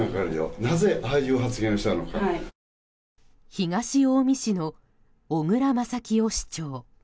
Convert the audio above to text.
東近江市の小椋正清市長。